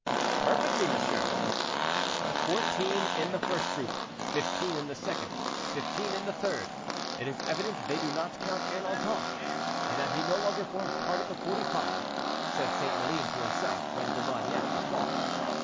"Perfectly, monsieur." "Fourteen in the first troop, fifteen in the second, and fifteen in the third; it is evident they do not count Ernanton, and that he no longer forms part of the Forty five," said St. Maline to himself when De Loignac was gone.